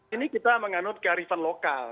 ini kita menganut kearifan lokal